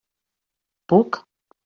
Puc?